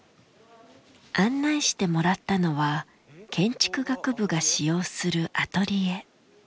案内してもらったのは建築学部が使用するアトリエ。